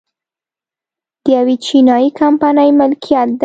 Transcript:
د یوې چینايي کمپنۍ ملکیت دی